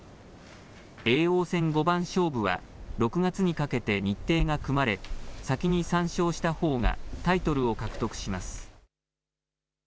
叡王戦五番勝負は６月にかけて日程が組まれ先に３勝したほうがタイトルを獲得します。